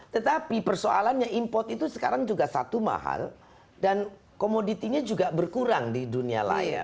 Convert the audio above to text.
tetapi persoalannya import itu sekarang juga satu mahal dan komoditinya juga berkurang di dunia layar